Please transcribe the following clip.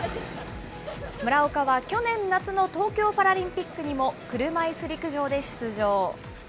村岡は去年夏の東京パラリンピックにも車いす陸上で出場。